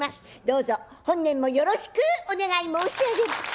どうぞ本年もよろしくお願い申し上げます。